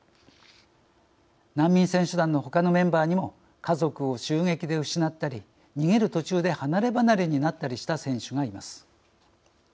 難民選手団のほかのメンバーにも家族を襲撃で失ったり逃げる途中で離れ離れになったりした選手がいます。